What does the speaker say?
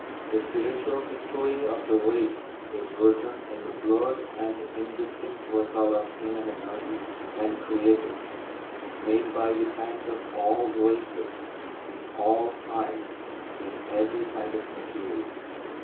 The spiritual history of the race is written in the blurred and indistinct record of human energy and creativeness, made by the hands of all races, in all times, in every kind of material.